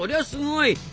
すごい！